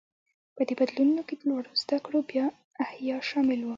په دې بدلونونو کې د لوړو زده کړو بیا احیا شامل و.